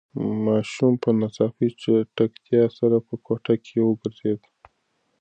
ماشوم په ناڅاپي چټکتیا سره په کوټه کې وگرځېد.